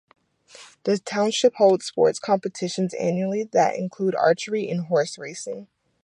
The township holds sports competitions annually that include archery and horse racing.